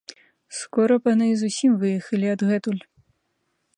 Скора паны зусім выехалі адгэтуль.